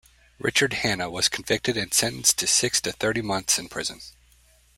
Richard Hanna was convicted and sentenced to six to thirty months in prison.